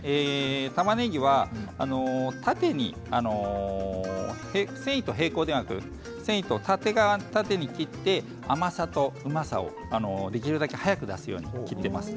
たまねぎは縦に繊維と平行ではなく繊維と縦側に切って甘さとうまさをできるだけ早く出すように切っています。